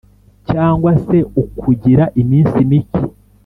cyangwa se ukugira iminsi mike